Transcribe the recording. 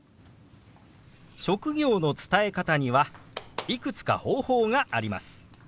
職業の伝え方にはいくつか方法があります。